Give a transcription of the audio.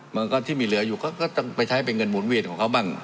มันก็ที่มีเหลืออยู่ก็ต้องไปใช้เป็นเงินหมุนเวียนของเขาบ้าง